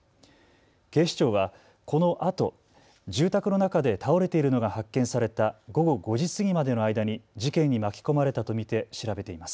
警視庁はこのあと住宅の中で倒れているのが発見された午後５時過ぎまでの間に事件に巻き込まれたと見て調べています。